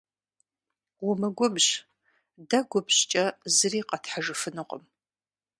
Умыгубжь, дэ губжькӏэ зыри къэтхьыжыфынукъым.